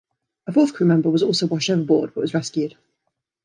A fourth crew member was also washed overboard, but was rescued.